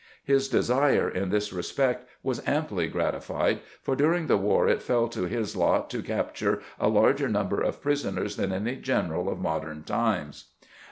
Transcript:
His desire in this respect was amply grati fied, for during the war it fell to his lot to capture a larger number of prisoners than any general of modern times.